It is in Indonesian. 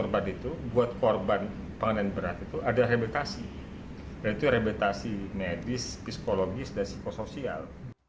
dan itu rehabilitasi medis psikologis dan psikosoial